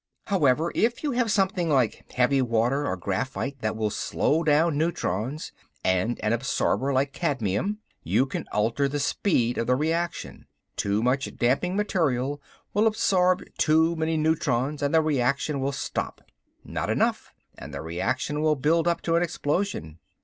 "However, if you have something like heavy water or graphite that will slow down neutrons and an absorber like cadmium, you can alter the speed of the reaction. Too much damping material will absorb too many neutrons and the reaction will stop. Not enough and the reaction will build up to an explosion.